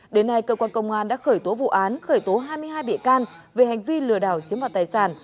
đến nay cơ quan công an đã khởi tố vụ án khởi tố hai mươi hai bị can về hành vi lừa đảo chiếm đoạt tài sản